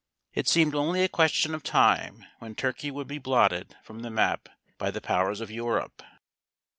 It seemed only a question of time when Turkey would be blotted from the map by the powers of Europe.